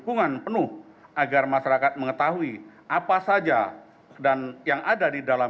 guna kepentingan penyelidikan dan penuntutan